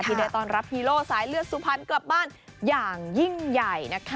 ได้ต้อนรับฮีโร่สายเลือดสุพรรณกลับบ้านอย่างยิ่งใหญ่นะคะ